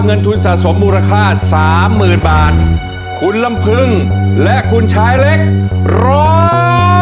เงินทุนสะสมมูลค่าสามหมื่นบาทคุณลำพึงและคุณชายเล็กร้อง